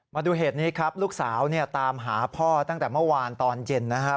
มาดูเหตุนี้ครับลูกสาวเนี่ยตามหาพ่อตั้งแต่เมื่อวานตอนเย็นนะครับ